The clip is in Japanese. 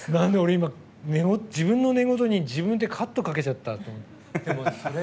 自分の寝言に自分でカットかけちゃったって。